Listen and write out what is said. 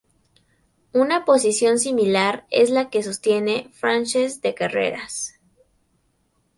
Una posición similar es la que sostiene Francesc de Carreras.